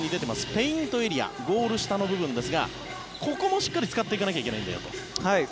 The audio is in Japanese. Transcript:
ペイントエリアゴール下の部分ですがここもしっかりと使わないといけないんだよと。